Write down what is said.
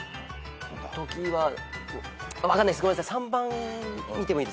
分かんないですごめんなさい。